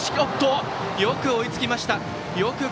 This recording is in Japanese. よく追いつきました。